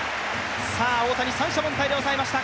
さあ大谷、三者凡退で抑えました。